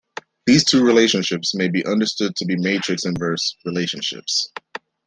These two relationships may be understood to be matrix inverse relationships.